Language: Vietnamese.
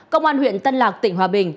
công an huyện tân lạc tỉnh hòa bình